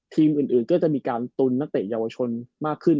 ทีมอื่นก็จะมีการตุนนักเตะเยาวชนมากขึ้น